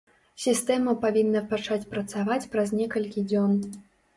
Сістэма павінна пачаць працаваць праз некалькі дзён.